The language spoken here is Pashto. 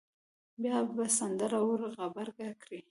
بیا به سندره ور غبرګه کړي.